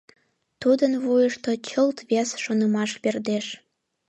Тудын вуйышто чылт вес шонымаш пӧрдеш.